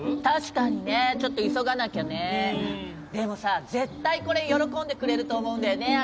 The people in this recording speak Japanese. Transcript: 確かにねちょっと急がなきゃねうんでもさ絶対これ喜んでくれると思うんだよね